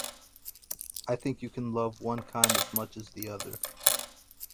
I think you can love one kind as much as the other.